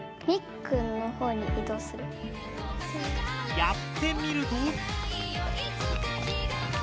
やってみると。